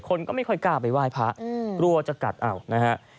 คนก็ไม่ค่อยกล้าไปไหว้พระกลัวจะกัดเอานะฮะ